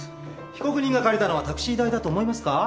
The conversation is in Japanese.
被告人が借りたのはタクシー代だと思いますか？